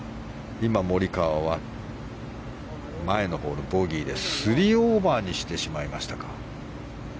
今、モリカワは前のホール、ボギーで３オーバーにしてしまいましたか。